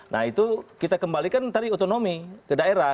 nah itu kita kembalikan tadi otonomi ke daerah